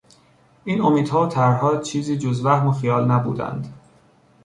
این امیدها و طرحها چیزی جز وهم و خیال نبودند.